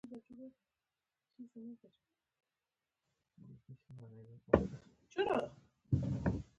پلاستيکي تولید باید د قانون له مخې وي.